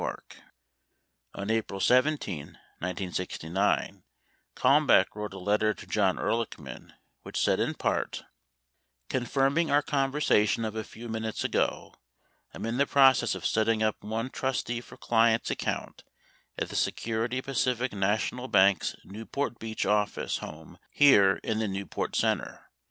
93 On April 17, 1969, Kalmbach wrote a letter to John Ehrlichman, which said in part : Confirming our conversation of a few minutes ago, I'm in the process of setting up one "trustee for clients" account at the Security Pacific National Bank's Newport Beach office here in the Newport Center.